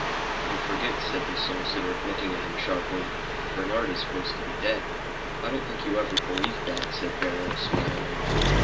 "You forget," said the solicitor, looking at him sharply. "Bernard is supposed to be dead." "I don't think you ever believed that," said Beryl, smiling.